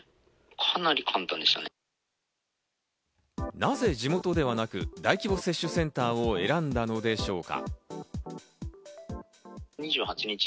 なぜ地元ではなく大規模接種センターを選んだのでしょうか？